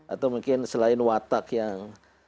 atau mungkin selain watak yang